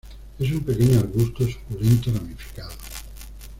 Es un pequeño arbusto suculento ramificado.